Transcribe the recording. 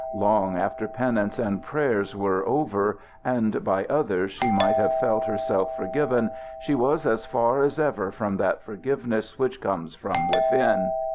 Long after penances and prayers were over, and by others she might have felt herself forgiven, she was as far as ever from that forgiveness which comes from within.